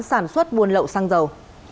sản xuất buôn lậu xăng dầu